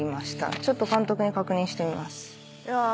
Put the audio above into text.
ちょっと監督に確認してみます。